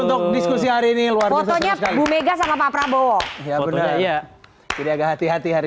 untuk diskusi hari ini luar fotonya bu mega sama pak prabowo ya bener ya jadi agak hati hati hari